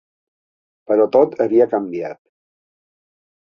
Però tot havia canviat.